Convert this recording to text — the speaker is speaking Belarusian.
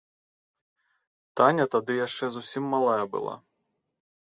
Таня тады яшчэ зусім малая была.